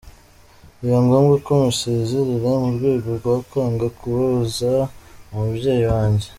Biba ngombwa ko musezerera mu rwego rwo kwanga kubabaza umubyeyi wanjye.